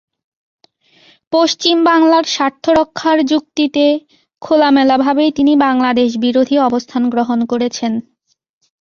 পশ্চিম বাংলার স্বার্থ রক্ষার যুক্তিতে খোলামেলাভাবেই তিনি বাংলাদেশবিরোধী অবস্থান গ্রহণ করেছেন।